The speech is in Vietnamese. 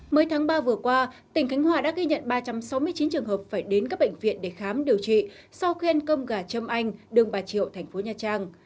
mới tháng ba vừa qua tỉnh khánh hòa đã ghi nhận ba trăm sáu mươi chín trường hợp phải đến các bệnh viện để khám điều trị sau khi khen cơm gà châm anh đường bà triệu thành phố nha trang